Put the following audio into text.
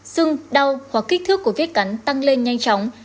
sưng đau hoặc kích thước của vết cắn tăng lên nhanh chóng